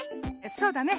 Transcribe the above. そうだね。